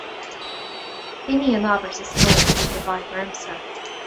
B'in í an abairt is mó a chuaigh i bhfeidhm ormsa.